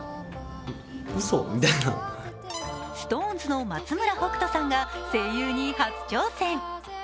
ＳｉｘＴＯＮＥＳの松村北斗さんが声優に初挑戦。